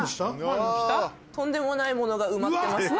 とんでもないものが埋まってます。